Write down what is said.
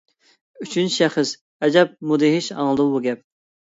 ئۈچىنچى شەخس؟ ئەجەب مۇدھىش ئاڭلىنىدۇ بۇ گەپ.